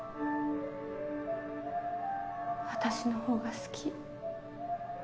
私のほうが好き